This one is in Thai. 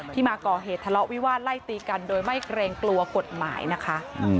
มาก่อเหตุทะเลาะวิวาดไล่ตีกันโดยไม่เกรงกลัวกฎหมายนะคะ